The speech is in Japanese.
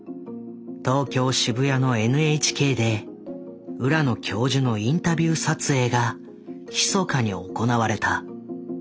東京渋谷のＮＨＫで浦野教授のインタビュー撮影がひそかに行われた。